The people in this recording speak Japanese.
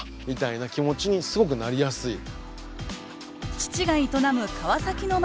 父が営む川崎の町